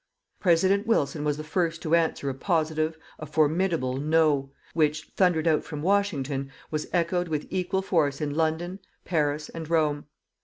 President Wilson was the first to answer a positive, a formidable NO, which, thundered out from Washington, was echoed with equal force in London, Paris and Rome.